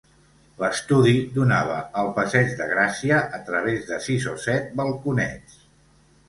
L’estudi donava al passeig de Gràcia a través de sis o set balconets.